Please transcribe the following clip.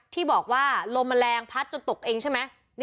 ที่บอกว่าลมแรงพัดจนตกเองใช่ไหม